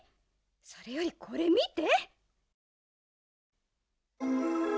それよりこれみて！